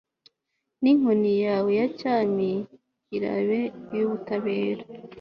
n'inkoni yawe ya cyami irabe iy'ubutabera